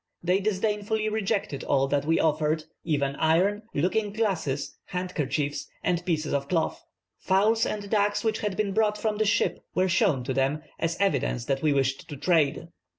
They disdainfully rejected all that we offered, even iron, looking glasses, handkerchiefs, and pieces of cloth. Fowls and ducks which had been brought from the ship were shown to them; as evidence that we wished to trade.